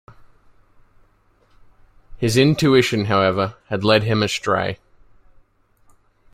His intuition, however, had led him astray.